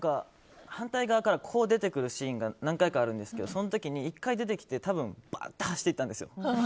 反対側から出てくるシーンが何回かあるんですけどその時に１回出てきてバッと走っていたんですよ。